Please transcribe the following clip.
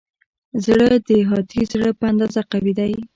زړه د هاتي زړه په اندازه قوي دی.